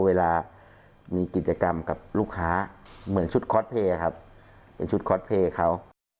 เวลามีกิจกรรมกับลูกค้าเหมือนชุดคอสเพลย์ครับเป็นชุดคอสเพลย์เขา